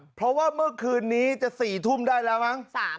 เพราะว่าเมื่อคืนนี้จะ๔ทุ่มได้แล้วมั้ง